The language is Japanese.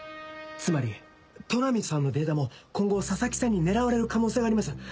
つまり都波さんのデータも今後佐々木さんに狙われる可能性があります。